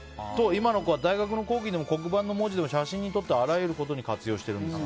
今の子は大学の講義でも黒板の文字でも写真に撮ってあらゆることに活用しています。